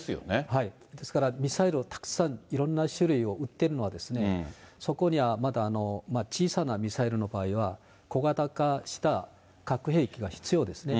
はい、ですからミサイルをたくさん、いろんな種類を撃っているのは、そこには、まだ小さなミサイルの場合は、小型化した核兵器が必要ですね。